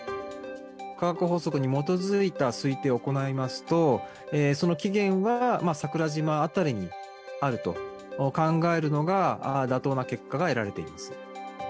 化学法則に基づいた推定を行いますと、その起源は桜島辺りにあると考えるのが、妥当な結果が得られています。